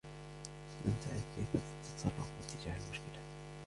لم تعرف كيف تتصرف تجاه المشكلة.